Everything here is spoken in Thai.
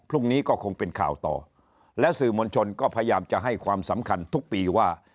พรุ่งนี้ก็คงเป็นข่าวต่อและสื่อมวลชนก็พยายามจะให้ความสำคัญทุกปีว่า